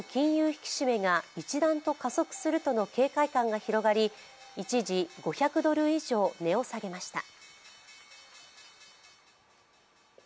引き締めが一段と加速するとの警戒感が広がり、一時５００ドル以上値を下げました。